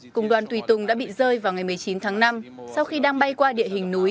cùng đoàn tùy tùng đã bị rơi vào ngày một mươi chín tháng năm sau khi đang bay qua địa hình núi